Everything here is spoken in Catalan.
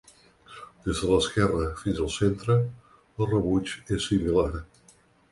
Des de l’esquerra fins el centre, el rebuig és similar.